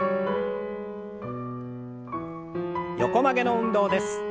横曲げの運動です。